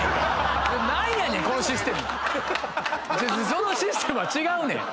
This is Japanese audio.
そのシステムは違うねん！